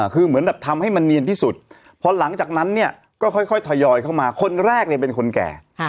คือเหมือนแบบทำให้มันเนียนที่สุดพอหลังจากนั้นเนี่ยก็ค่อยทยอยเข้ามาคนแรกเนี่ยเป็นคนแก่